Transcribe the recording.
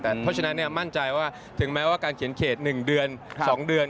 แต่เพราะฉะนั้นมั่นใจว่าถึงแม้ว่าการเขียนเขต๑เดือน๒เดือน